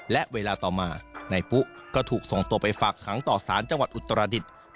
และวัยละต่อมานายปุ๊ะก็ถูกส่งตัวไปฝากขลางต่อสารจังหวัดอุตรดิธนิเมนูภายนธรรมนั่น